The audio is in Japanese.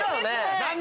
残念！